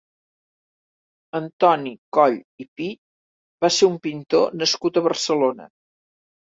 Antoni Coll i Pi va ser un pintor nascut a Barcelona.